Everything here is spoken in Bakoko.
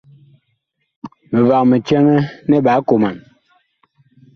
Mivag mi cɛŋɛ nɛ ɓaa koman.